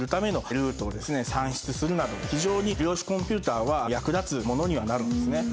するなど非常に量子コンピューターは役立つものにはなるんですね。